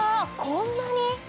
こんなに？